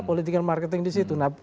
politik dan marketing disitu